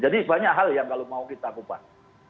jadi banyak hal yang kalau mau kita kupas